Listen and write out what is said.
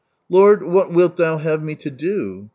" Lord, what wilt Thou have me to do